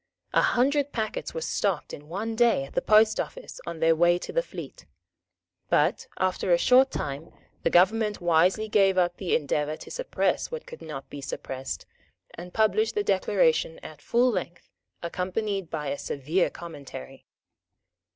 A hundred packets were stopped in one day at the Post Office on their way to the fleet. But, after a short time, the government wisely gave up the endeavour to suppress what could not be suppressed, and published the Declaration at full length, accompanied by a severe commentary.